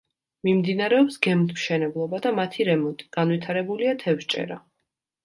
მიმდინარეობს გემთმშენებლობა და მათი რემონტი, განვითარებულია თევზჭერა.